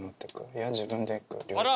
「いや自分で行く」。